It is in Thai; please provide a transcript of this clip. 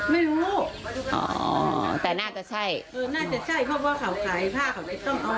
ไม่รู้อ๋อแต่น่าจะใช่เออน่าจะใช่เพราะเขาขายผ้าเขาจะต้องเอา